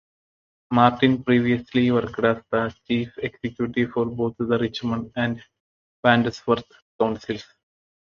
Martin previously worked as the Chief Executive for both the Richmond and Wandsworth Councils.